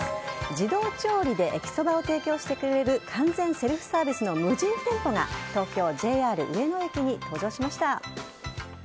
自動調理で駅そばを提供してくれる、完全セルフサービスの無人店舗が、東京・ＪＲ上野駅に登場しました。